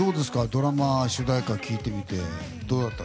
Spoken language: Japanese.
ドラマの主題歌を聴いてみて。